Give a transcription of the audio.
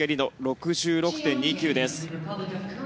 ６６．２９です。